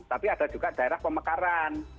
tapi ada juga daerah pemekaran